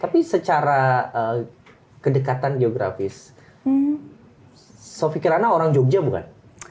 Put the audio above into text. tapi secara kedekatan geografis sofi kirana orang jogja bukan